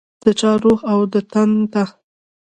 د چا روح او تن ته